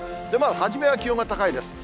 初めは気温が高いです。